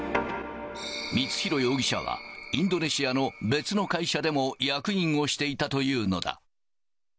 光弘容疑者は、インドネシアの別の会社でも役員をしていたというのだ。